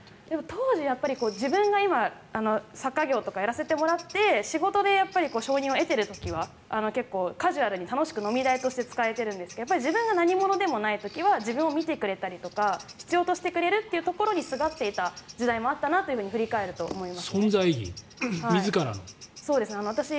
当時、自分が作家業とかやらせてもらって仕事で承認を得ている時は結構、カジュアルに楽しみとして使っていたんですが自分が何者でもないときは自分を見てくれたりとか必要としてくれるところにすがっていた部分はあります。